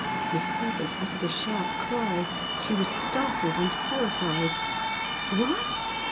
Miss Herbert uttered a sharp cry. She was startled and horrified. "What!...